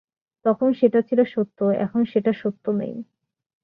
তখন সেটা ছিল সত্য, এখন সেটা সত্য নেই।